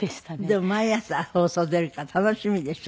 でも毎朝放送出るから楽しみでしょ？